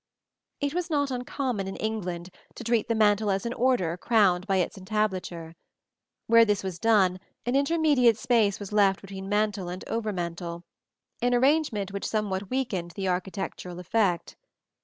It was not uncommon in England to treat the mantel as an order crowned by its entablature. Where this was done, an intermediate space was left between mantel and over mantel, an arrangement which somewhat weakened the architectural effect.